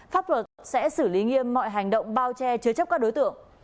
pháp luật sẽ xử lý nghiêm mọi hành động bao che chứa chấp các đối tượng